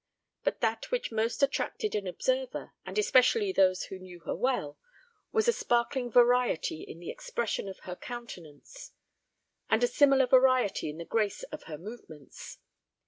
But that which most attracted an observer, and especially those who knew her well, was a sparkling variety in the expression of her countenance, and a similar variety in the grace of her movements.